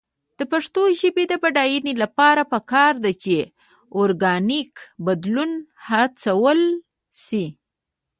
د پښتو ژبې د بډاینې لپاره پکار ده چې اورګانیک بدلون هڅول شي.